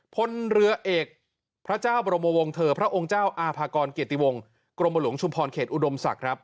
พลเรือเอกพระเจ้าบรมวงเธอพระองค์เจ้าอาภากรเกียรติวงกรมหลวงชุมพรเขตอุดมศักดิ์ครับ